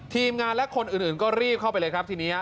ทีมงานและคนอื่นก็รีบเข้าไปเลยครับทีนี้